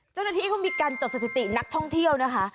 เจ้าหน้าที่เขามีการจดสถิตินักท่องเที่ยวนะคะ